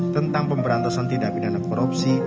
tentang pemberantasan tindak pidana korupsi